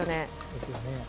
ですよね。